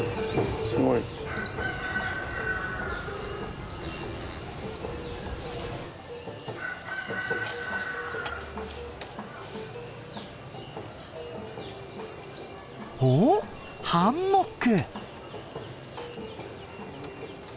すごい！おっハンモック！